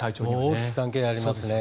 大きく関係ありますね。